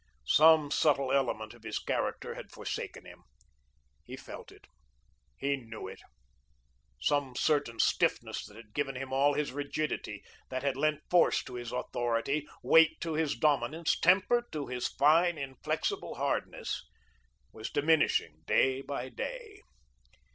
Some subtle element of his character had forsaken him. He felt it. He knew it. Some certain stiffness that had given him all his rigidity, that had lent force to his authority, weight to his dominance, temper to his fine, inflexible hardness, was diminishing day by day.